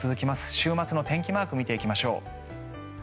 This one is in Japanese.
週末の天気マークを見ていきます。